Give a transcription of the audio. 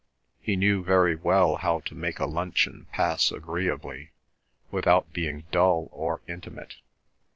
He knew very well how to make a luncheon pass agreeably, without being dull or intimate.